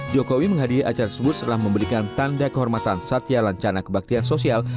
jokowi menghadiri acara tersebut setelah memberikan tanda kehormatan satya lancana kebaktian sosial